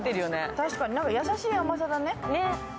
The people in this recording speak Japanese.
確かに何か優しい甘さだね。